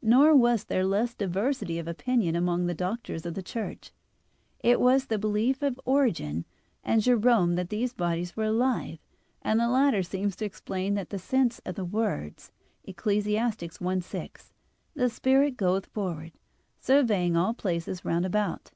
Nor was there less diversity of opinion among the Doctors of the Church. It was the belief of Origen (Peri Archon i) and Jerome that these bodies were alive, and the latter seems to explain in that sense the words (Eccles. 1:6), "The spirit goeth forward, surveying all places round about."